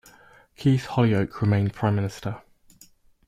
Keith Holyoake remained Prime Minister.